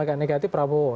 agak negatif prabowo